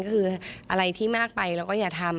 ก็คืออะไรที่มากไปเราก็อย่าทำ